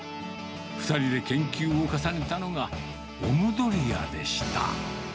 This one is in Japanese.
２人で研究を重ねたのがオムドリアでした。